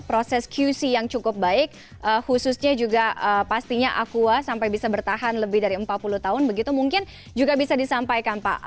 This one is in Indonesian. proses qc yang cukup baik khususnya juga pastinya aqua sampai bisa bertahan lebih dari empat puluh tahun begitu mungkin juga bisa disampaikan pak